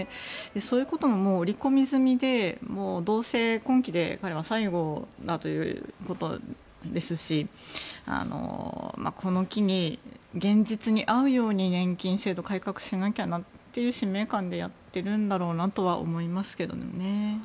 そういうことも織り込み済みでどうせ、今期で彼は最後だということですしこの機に、現実に合うように年金制度を改革しなきゃなっていう使命感でやっているんだろうなとは思いますけどね。